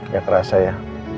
gak kerasa ya